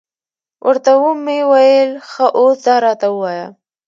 ورته ومې ویل، ښه اوس دا راته ووایه.